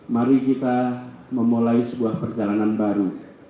mari kita memulai sebuah perjalanan baru